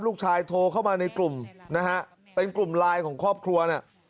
โทรเข้ามาในกลุ่มนะฮะเป็นกลุ่มไลน์ของครอบครัวเนี่ย